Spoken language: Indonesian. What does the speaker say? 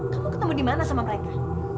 kamu ketemu dimana sama mereka